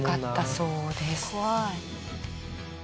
怖い！